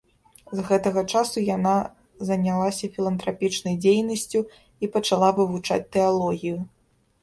З гэтага часу яна занялася філантрапічнай дзейнасцю і пачала вывучаць тэалогію.